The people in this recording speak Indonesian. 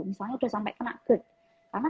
misalnya sudah sampai kena gerd karena